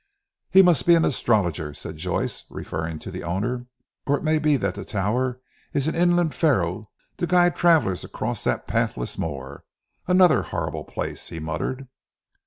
"He must be an astrologer," said Joyce referring to the owner, "or it may be that the tower is an inland pharos, to guide travellers across that pathless moor. A horrible place," he muttered.